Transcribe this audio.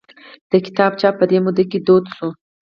د کتاب چاپ په دې موده کې دود شو.